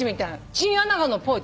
チンアナゴのポーチ。